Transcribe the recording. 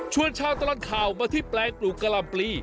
ชวนชาวตลาดข่าวมาที่แปลกกลุ่มกะล่ำปลี